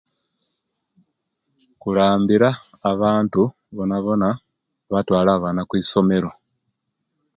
Kulambira abantu bonabona batwale abana kwisomero